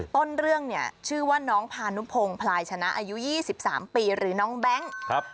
ต้นเรื่องเนี่ยชื่อว่าน้องพานุพงพลายชนะอายุ๒๓ปีหรือน้องแบงค์